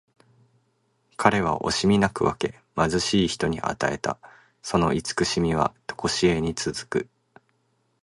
彼は惜しみなく分け、貧しい人に与えた。その慈しみはとこしえに続く。